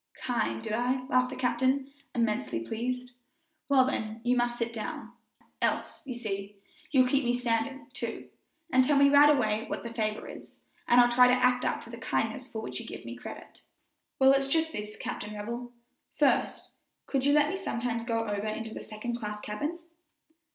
"Kind, did I?" laughed the captain, immensely pleased. "Well, then, you must sit down, else, you see, you'll keep me standing; too, and tell me right away what the favor is, and I'll try to act up to the kindness for which you give me credit." "Well, it's just this, Captain Revell: first, could you let me sometimes go over into the second class cabin?"